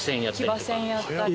騎馬戦やったり。